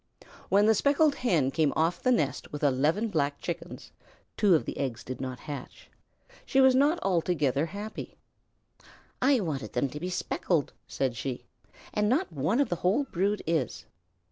When the Speckled Hen came off the nest with eleven Black Chickens (two of the eggs did not hatch), she was not altogether happy. "I wanted them to be speckled," said she, "and not one of the whole brood is."